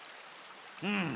うん。